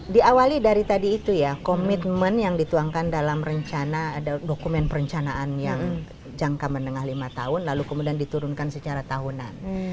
diawali dari tadi itu ya komitmen yang dituangkan dalam rencana ada dokumen perencanaan yang jangka menengah lima tahun lalu kemudian diturunkan secara tahunan